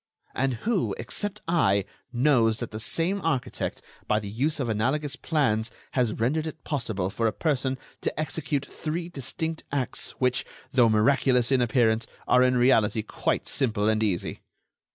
"And who, except I, knows that the same architect, by the use of analogous plans, has rendered it possible for a person to execute three distinct acts which, though miraculous in appearance, are, in reality, quite simple and easy?"